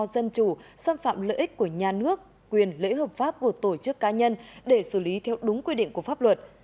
dân chủ xâm phạm lợi ích của nhà nước quyền lợi ích hợp pháp của tổ chức cá nhân để xử lý theo đúng quy định của pháp luật